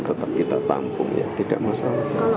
tetap kita tampung ya tidak masalah